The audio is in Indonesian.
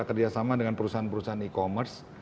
kerjasama dengan perusahaan perusahaan e commerce